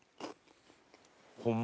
ホンマ？